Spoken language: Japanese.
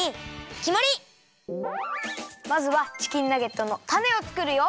まずはチキンナゲットのタネをつくるよ。